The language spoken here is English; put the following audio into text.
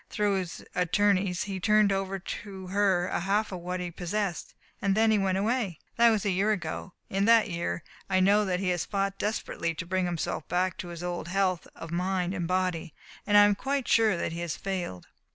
Through his attorneys he turned over to her a half of what he possessed. Then he went away. That was a year ago. In that year I know that he has fought desperately to bring himself back into his old health of mind and body, and I am quite sure that he has failed."